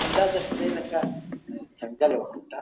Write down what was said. ښه ذهنیت راتلونکی نه دروي.